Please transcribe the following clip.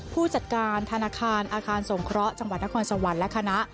ผู้จัดการธนาคารอาคารสงเคราะห์จังหวัดนครสวรรค์และคณะ